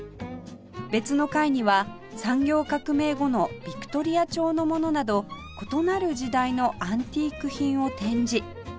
別の階には産業革命後のビクトリア朝のものなど異なる時代のアンティーク品を展示